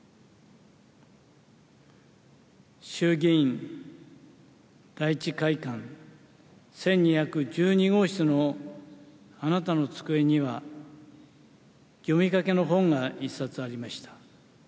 衆議院第１会館１２１２号室のあなたの机には、読みかけの本が１冊ありました。